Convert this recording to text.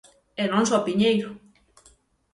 E non só Piñeiro.